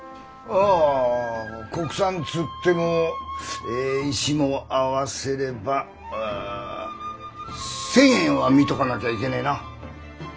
あ国産っつってもえ石も合わせればう１，０００円は見とかなきゃいけねえな。